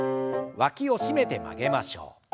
わきを締めて曲げましょう。